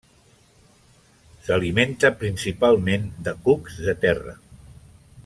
S'alimenta principalment de cucs de terra.